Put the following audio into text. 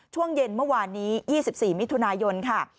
ช่วงเย็นเมื่อวานนี้๒๔มิถุนายนค่ะ